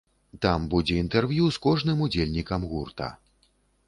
Там будзе і інтэрв'ю з кожным удзельнікам гурта.